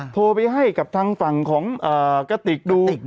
โทรไปให้กับทางฝั่งของกระติกดู